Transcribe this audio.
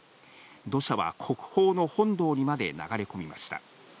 土砂は国宝の本堂にまで流れ込みました。